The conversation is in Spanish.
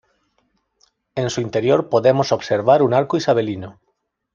En su interior podemos observar un arco isabelino.